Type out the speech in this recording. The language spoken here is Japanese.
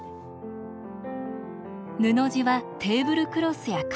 布地はテーブルクロスや壁掛け。